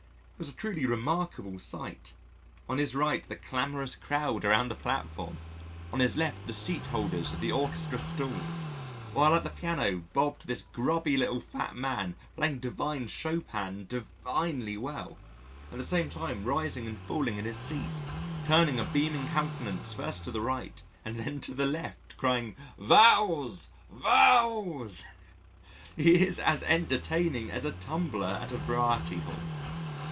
It was a truly remarkable sight: on his right the clamorous crowd around the platform; on his left the seat holders of the Orchestra Stalls, while at the piano bobbed this grubby little fat man playing divine Chopin divinely well, at the same time rising and falling in his seat, turning a beaming countenance first to the right and then to the left, crying, "Valse, Valse." He is as entertaining as a tumbler at a variety hall.